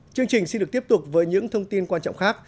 chương trình xin được tiếp tục với những thông tin quan trọng khác